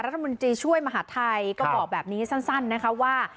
รัฐมนตรีช่วยมหาทัยก็บอกแบบนี้สั้นนะคะว่า